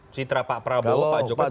citra pak prabowo pak jokowi atau keduanya